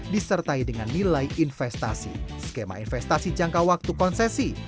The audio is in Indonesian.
disertai dengan nilai investasi skema investasi jangka waktu konsesi